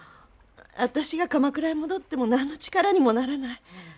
私が鎌倉屋に戻っても何の力にもならない。